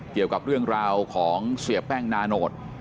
เกี่ยวกับเรื่องราวของเสียแป้งนาโนต